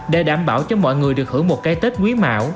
để đảm bảo cho mọi người được hưởng một cái tết quý mão